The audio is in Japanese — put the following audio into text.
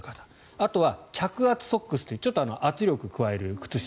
あとは着圧ソックスという圧力を加える靴下